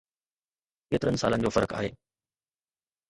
ڪيترن سالن جو فرق آهي.